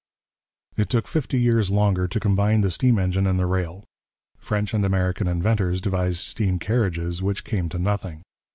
It took fifty years longer to combine the steam engine and the rail. French and American inventors devised steam carriages, which came to nothing.